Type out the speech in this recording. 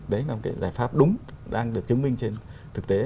đấy là một cái giải pháp đúng đang được chứng minh trên thực tế